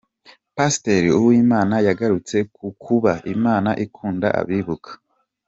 Pasiteri Uwimana yagarutse ku kuba ‘Imana ikunda abibuka’.